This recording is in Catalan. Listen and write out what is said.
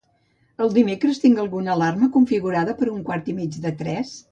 El dimecres tinc alguna alarma configurada per un quart i mig de tres?